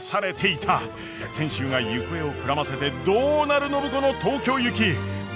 賢秀が行方をくらませてどうなる暢子の東京行き。